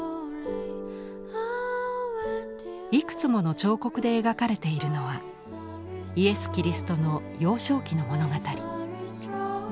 いくつもの彫刻で描かれているのはイエス・キリストの幼少期の物語。